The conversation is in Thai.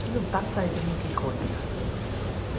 นี่จะตั้งใจจะมีกี่คน